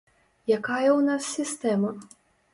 Якая ў нас сістэма?